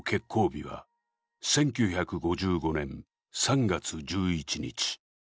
日は１９５５年３月１１日。